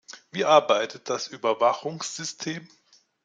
Wie arbeitet das Überwachungssystem?